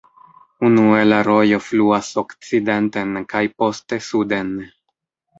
Unue la rojo fluas okcidenten kaj poste suden.